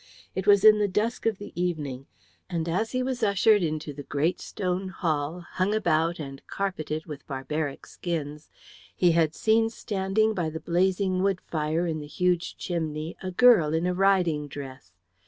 It was in the dusk of the evening, and as he was ushered into the great stone hall, hung about and carpeted with barbaric skins, he had seen standing by the blazing wood fire in the huge chimney a girl in a riding dress.